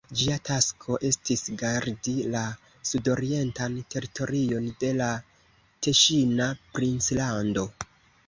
Ĝia tasko estis gardi la sudorientan teritorion de la Teŝina princlando.